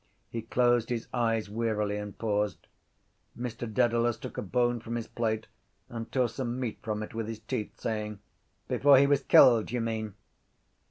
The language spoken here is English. He closed his eyes wearily and paused. Mr Dedalus took a bone from his plate and tore some meat from it with his teeth, saying: —Before he was killed, you mean.